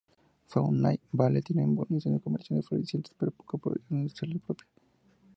Fountain Valley tiene innovaciones comerciales florecientes pero poca producción industrial propia.